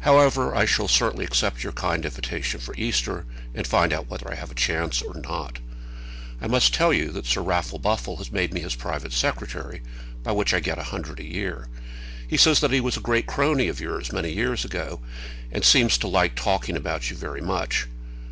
However, I shall certainly accept your kind invitation for Easter, and find out whether I have a chance or not. I must tell you that Sir Raffle Buffle has made me his private secretary, by which I get a hundred a year. He says he was a great crony of yours many years ago, and seems to like talking about you very much.